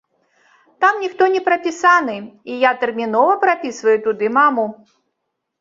Там ніхто не прапісаны, і я тэрмінова прапісваю туды маму.